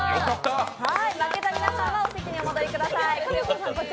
負けた皆さんは、お席にお戻りください。